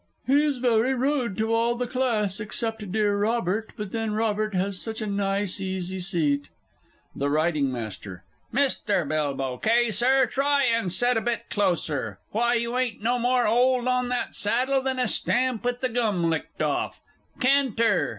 He's very rude to all the Class, except dear Robert but then Robert has such a nice easy seat. THE R. M. Mr. Bilbow Kay, Sir, try and set a bit closer. Why, you ain't no more 'old on that saddle than a stamp with the gum licked off! Can ter!